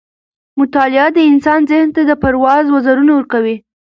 مطالعه د انسان ذهن ته د پرواز وزرونه ورکوي.